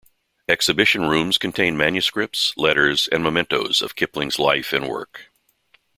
Exhibition rooms contain manuscripts, letters, and mementoes of Kipling's life and work.